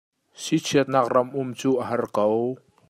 Sichiatnak ram um cu a har ko.